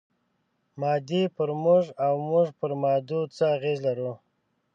مادې پر موږ او موږ پر مادو څه اغېز لرو؟